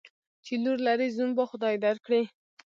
چی لور لرې ، زوم به خدای در کړي.